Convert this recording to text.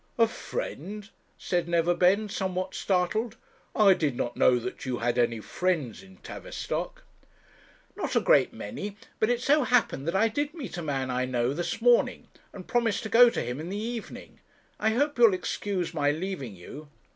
'A friend!' said Neverbend, somewhat startled; 'I did not know that you had any friends in Tavistock.' 'Not a great many; but it so happened that I did meet a man I know, this morning, and promised to go to him in the evening. I hope you'll excuse my leaving you?'